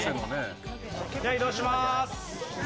じゃあ移動します。